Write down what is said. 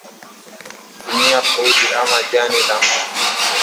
tumia Foili ama jani la mgomba